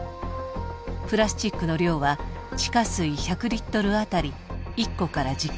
プラスチックの量は地下水１００リットルあたり１個から１０個ほど。